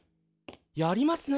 やりますね